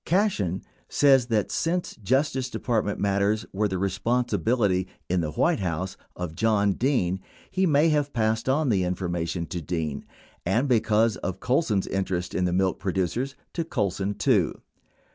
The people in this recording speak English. Cashen says that since Justice Department matters were the responsibility, in the White House, of John Dean, he may have passed on the information to Dean and, because of Colson s inter est in the milk producers, to Colson, too.